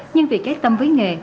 nhưng vì kết tâm với nghề